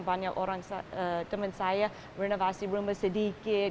banyak teman saya renovasi rumah sedikit